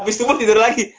abis subuh tidur lagi